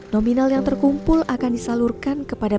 nominal yang terkumpul akan disalurkan kepada